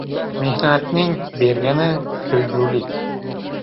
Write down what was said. Mehnatning bergani — to'ygulik.